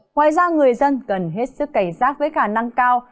ngoài ra người dân cần hết sức cảnh giác với khả năng cao